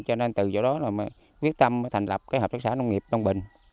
cho nên từ chỗ đó quyết tâm thành lập hợp tác xã nông nghiệp đông bình